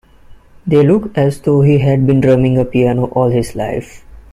They look as though he had been drumming a piano all his life.